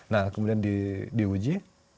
nah kemudian diuji